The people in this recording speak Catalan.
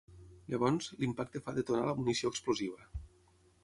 Llavors, l'impacte fa detonar la munició explosiva.